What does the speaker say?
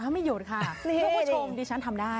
ไม่หยุดค่ะคุณผู้ชมดิฉันทำได้